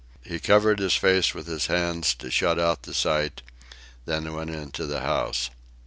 He covered his face with his hands to shut out the sight; then went into the house.